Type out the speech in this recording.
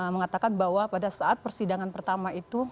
mengatakan bahwa pada saat persidangan pertama itu